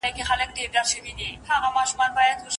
پر تاسو باندې د دوی د رزق او جامو کوم حق دی؟